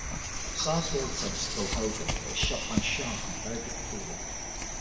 Sarsfield attempts to kill Hogan, but is shot by Sharpe, and buried with Kiely.